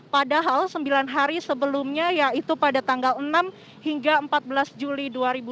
padahal sembilan hari sebelumnya yaitu pada tanggal enam hingga empat belas juli dua ribu dua puluh